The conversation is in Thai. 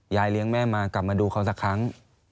เลี้ยงแม่มากลับมาดูเขาสักครั้ง